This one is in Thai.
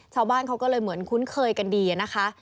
ชาวบ้านเขาก็เลยเหมือนคุ้นเคยกันดีนะคะ